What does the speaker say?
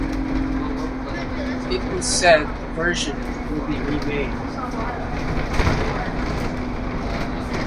It was said the version will be remade.